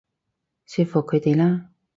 說服佢哋啦